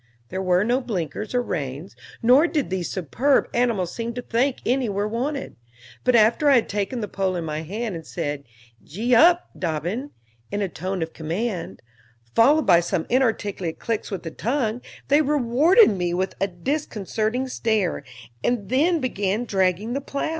There were no blinkers or reins, nor did these superb animals seem to think any were wanted; but after I had taken the pole in my hand, and said "Gee up, Dobbin," in a tone of command, followed by some inarticulate clicks with the tongue, they rewarded me with a disconcerting stare, and then began dragging the plow.